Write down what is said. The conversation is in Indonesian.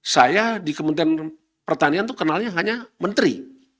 saya di kementerian pertanian itu kenalnya hanya menteri